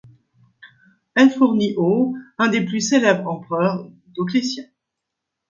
Elle fournit au un des plus célèbres empereurs, Dioclétien.